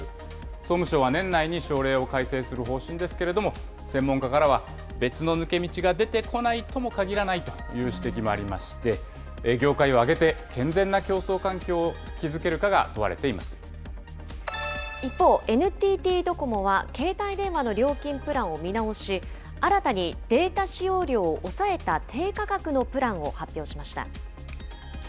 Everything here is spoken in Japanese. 総務省は年内に省令を改正する方針ですけれども、専門家からは、別の抜け道が出てこないともかぎらないという指摘もありまして、業界を挙げて、健全な競争環境を一方、ＮＴＴドコモは携帯電話の料金プランを見直し、新たにデータ使用量を抑えた低価格のプ